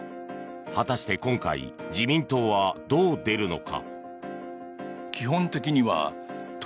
果たして今回自民党はどう出るのか。